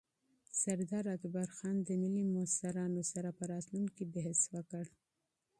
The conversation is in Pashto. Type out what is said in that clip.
سردار اکبرخان د ملي مشرانو سره پر راتلونکي بحث وکړ.